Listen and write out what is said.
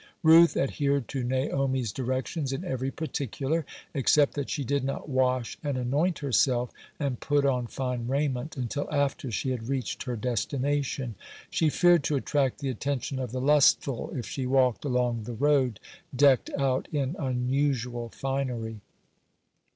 Ruth adhered to Naomi's directions in every particular, except that she did not wash and anoint herself and put on fine raiment, until after she had reached her destination. She feared to attract the attention of the lustful, if she walked along the road decked out in unusual finery.